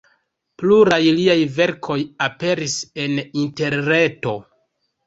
Pluraj liaj verkoj aperis en interreto.